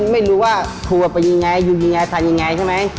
ไม่รู้ว่าถูกว่าเป็นยังไงอยู่ยังไงทานยังไงใช่ไหม